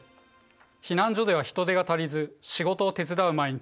「避難所では人手が足りず仕事を手伝う毎日。